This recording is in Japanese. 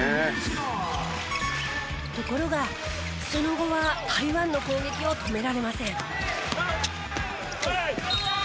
ところがその後は台湾の攻撃を止められません。